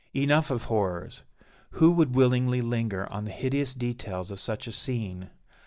Enough of horrors! Who would willingly linger on the hideous details of such a scene?